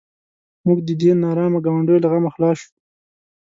موږ د دې نارامه ګاونډیو له غمه خلاص شوو.